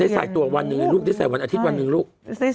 ได้สายตัววันหนึ่งได้สายวันอาทิตย์วันหนึ่งลูก